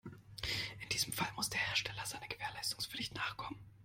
In diesem Fall muss der Hersteller seiner Gewährleistungspflicht nachkommen.